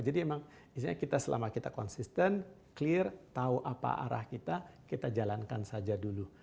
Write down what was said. emang istilahnya kita selama kita konsisten clear tahu apa arah kita kita jalankan saja dulu